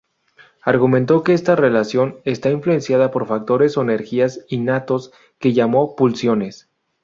Argumentó que esa relación está influenciada por factores o energías innatos, que llamó pulsiones.